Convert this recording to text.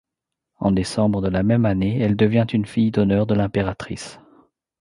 En décembre de la même année, elle devient une fille d'honneur de l'impératrice.